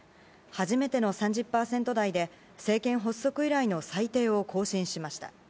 初めての３０％台で、政権発足以来の最低を更新しました。